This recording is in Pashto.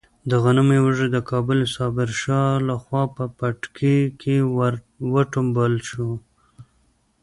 د غنمو وږی د کابلي صابر شاه لخوا په پټکي کې ور وټومبل شو.